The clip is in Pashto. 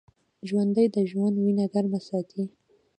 ژوندي د ژوند وینه ګرمه ساتي